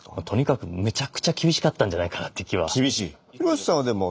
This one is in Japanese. とにかくめちゃくちゃ厳しかったんじゃないかなっていう気は。